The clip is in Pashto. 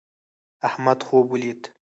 احمد خوب ولید